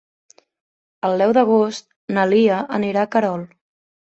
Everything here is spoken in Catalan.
El deu d'agost na Lia anirà a Querol.